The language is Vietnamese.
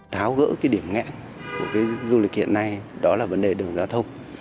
tháo gỡ cái điểm nghẹn của cái du lịch hiện nay đó là vấn đề đường giao thông